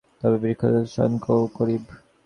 তবে আমরা বৃক্ষতলে শয়ন করিব।